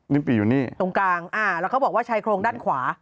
ปีอยู่นี่ตรงกลางอ่าแล้วเขาบอกว่าชายโครงด้านขวา